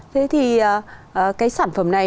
thế thì sản phẩm này